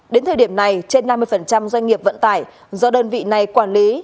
đến thời điểm này trên năm mươi doanh nghiệp vận tải do đơn vị này quản lý